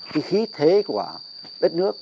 cái khí thế của đất nước